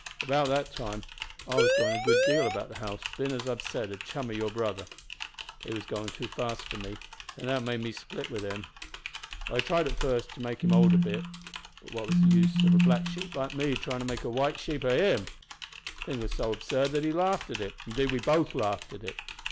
"About that time I was goin' a good deal about the house, bein', as I've said, a chum o' your brother. But he was goin' too fast for me, and that made me split with him. I tried at first to make him hold in a bit; but what was the use of a black sheep like me tryin' to make a white sheep o' him! The thing was so absurd that he laughed at it; indeed, we both laughed at it.